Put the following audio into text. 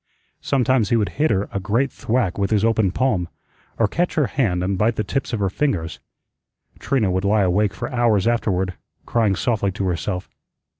Sometimes he would hit her a great thwack with his open palm, or catch her hand and bite the tips of her fingers. Trina would lie awake for hours afterward, crying softly to herself.